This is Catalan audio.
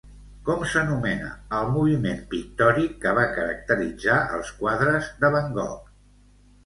Com s'anomena el moviment pictòric que va caracteritzar els quadres de van Gogh?